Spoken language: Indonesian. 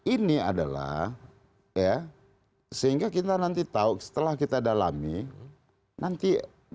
ini adalah ya sehingga kita nanti tahu setelah kita dalami nanti